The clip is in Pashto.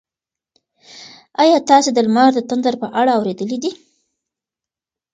ایا تاسي د لمر د تندر په اړه اورېدلي دي؟